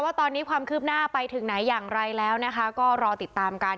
ว่าตอนนี้ความคืบหน้าไปถึงไหนอย่างไรแล้วนะคะก็รอติดตามกัน